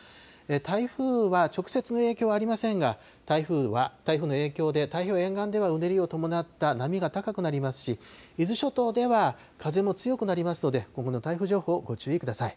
台風は直接の影響はありませんが、台風は台風の影響で太平洋沿岸でうねりを伴った波が高くなりますし、伊豆諸島では風も強くなりますので、今後の台風情報、ご注意ください。